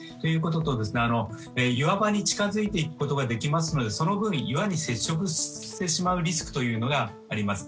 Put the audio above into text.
それから岩場に近づいていくことができますのでその分岩に接触してしまうリスクがあります。